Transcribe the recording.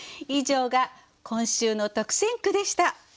以上が今週の特選句でした。